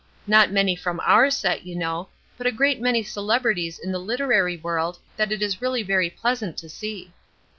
Not many from our set, you know, but a great many celebreties in the literary world that it is really very pleasant to see.